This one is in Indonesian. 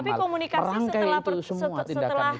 tapi komunikasi setelah statement semalam sudah dilakukan